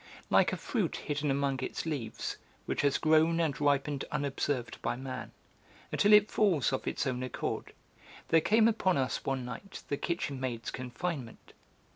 Like a fruit hidden among its leaves, which has grown and ripened unobserved by man, until it falls of its own accord, there came upon us one night the kitchen maid's confinement.